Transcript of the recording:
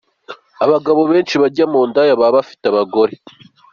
Abagabo benshi bajya mu ndaya baba bafite abagore